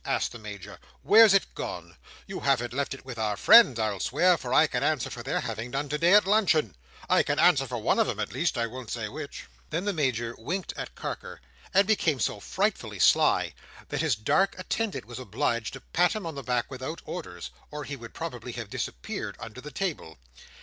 asked the Major. "Where's it gone? You haven't left it with our friends, I'll swear, for I can answer for their having none today at luncheon. I can answer for one of 'em, at least: I won't say which." Then the Major winked at Carker, and became so frightfully sly, that his dark attendant was obliged to pat him on the back, without orders, or he would probably have disappeared under the table.